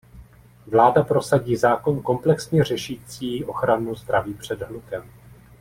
Vláda prosadí zákon komplexně řešící ochranu zdraví před hlukem.